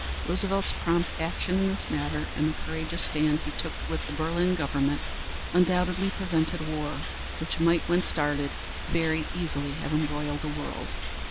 Roosevelt's prompt action in this matter and the courageous stand he took with the Berlin government undoubtedly prevented war, which might, when started, very easily have embroiled the world.